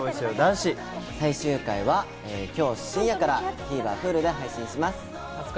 『最終回はきょう深夜から、ＴＶｅｒ、Ｈｕｌｕで配信します。